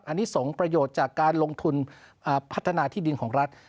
อันนี้สงประโยชน์จากการลงทุนพัฒนาที่ดินของรัฐ